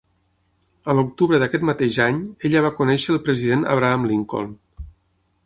A l'octubre d'aquest mateix any, ella va conèixer el president Abraham Lincoln.